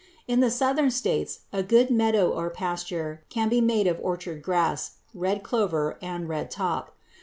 In the Southern states a good meadow or pasture can be made of orchard grass, red clover, and redtop.